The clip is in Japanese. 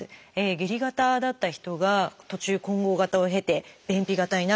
下痢型だった人が途中混合型を経て便秘型になる。